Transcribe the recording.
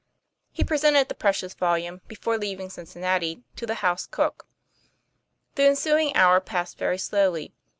He presented the precious volume, before leaving Cincinnati, to the house cook. The ensuing hour passed very slowly.